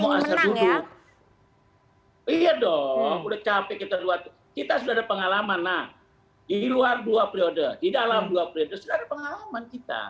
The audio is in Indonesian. mau asal duduk iya dong udah capek kita sudah ada pengalaman nah di luar dua periode di dalam dua periode sudah ada pengalaman kita